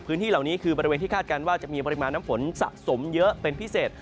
พื้นที่เหล่านี้คือบริเวณที่คาดการณ์ว่าจะมีปริมาณน้ำฝนสะสมเยอะเป็นพิเศษ